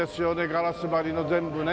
ガラス張りの全部ねえ。